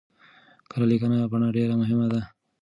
کره ليکنۍ بڼه ډېره مهمه ده.